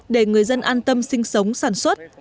để người dân an tâm sinh sống sản xuất